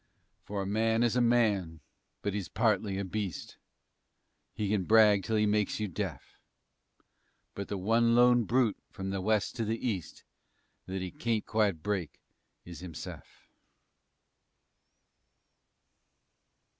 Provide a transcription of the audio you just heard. For a man is a man, but he's partly a beast. He kin brag till he makes you deaf, But the one lone brute, from the west to the east, _That he kaint quite break is himse'f.